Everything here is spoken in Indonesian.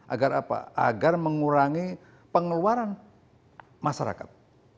agar apa agar mengurangi pengeluaran masyarakat